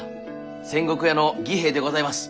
仙石屋の義兵衛でございます。